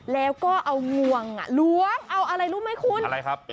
แล้วก็เอางวงล้วงเอาอะไรรู้ไหมคุณอะไรครับ